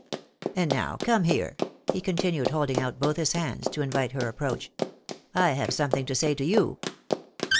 And now .come here," he continued, holding out both his hands to invite her approach, "I have something to say to you."